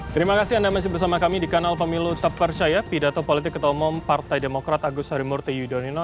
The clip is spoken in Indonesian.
terima kasih anda masih bersama kami di kanal pemilu tepercaya pidato politik ketua umum partai demokrat agus harimurti yudhonino